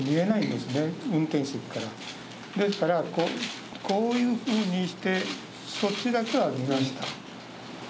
ですからこういうふうにして、そっちだけは見ました。